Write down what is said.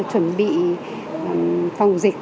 chuẩn bị phòng dịch